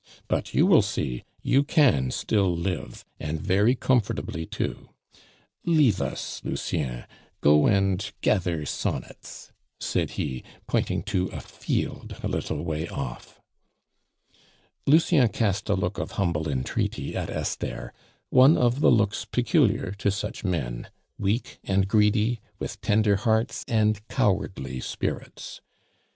But you will see, you can still live, and very comfortably too. Leave us, Lucien go and gather sonnets!" said he, pointing to a field a little way off. Lucien cast a look of humble entreaty at Esther, one of the looks peculiar to such men weak and greedy, with tender hearts and cowardly spirits.